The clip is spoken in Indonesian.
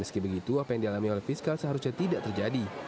meski begitu apa yang dialami oleh fiskal seharusnya tidak terjadi